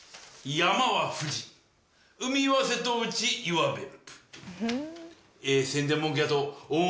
「山は富士海は瀬戸内湯は別府」。